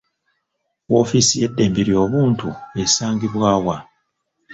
Woofiisi y'eddembe ly'obuntu esangibwa wa?